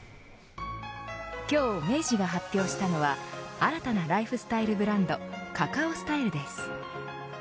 今日、明治が発表したのは新たなライフスタイルブランドＣＡＣＡＯＳＴＹＬＥです。